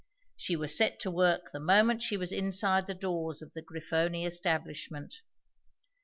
She was set to work the moment she was inside the doors of the Grifoni establishment.